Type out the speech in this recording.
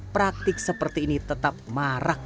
praktik seperti ini tetap marak